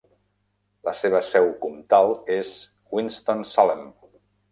La seva seu comtal és Winston-Salem.